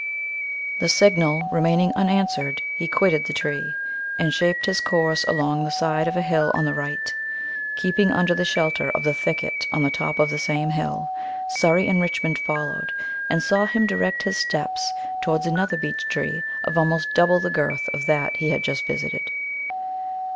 The signal remaining unanswered, he quitted the tree, and shaped his course along the side of a hill on the right. Keeping under the shelter of the thicket on the top of the same hill, Surrey and Richmond followed, and saw him direct his steps towards another beech tree of almost double the girth of that he had just visited.